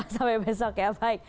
sampai besok ya baik